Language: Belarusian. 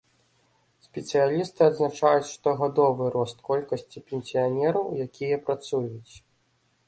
Спецыялісты адзначаюць штогадовы рост колькасці пенсіянераў, якія працуюць.